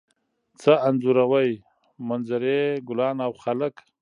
څه انځوروئ؟ منظرې، ګلان او خلک